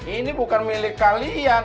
ini bukan milik kalian